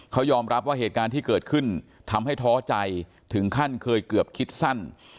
เขายอมรับว่าเหตุการณ์ที่เกิดขึ้นทำให้ท้อใจถึงขั้นเคยเกือบคิดสั้น